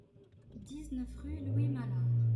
dix-neuf rue Louis Mallard